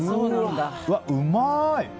うわ、うまい！